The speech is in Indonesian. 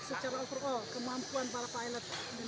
secara overall kemampuan para pilot